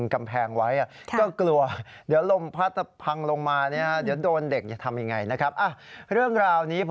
ก็แผ่นป้ายผมเห็นนะ